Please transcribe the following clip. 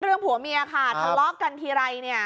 ผัวเมียค่ะทะเลาะกันทีไรเนี่ย